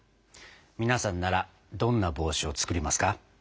皆さんならどんな帽子を作りますか？